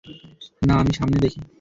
না, আমি সামনে দেখি।